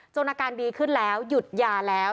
อาการดีขึ้นแล้วหยุดยาแล้ว